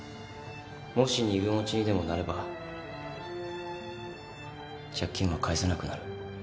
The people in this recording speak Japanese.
もし二軍落ちにでもなれば借金は返せなくなる。